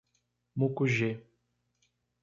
Mucugê